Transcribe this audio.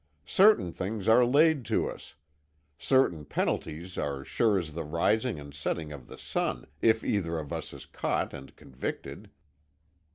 Certain things are laid to us. Certain penalties are sure as the rising and setting of the sun, if either of us is caught and convicted.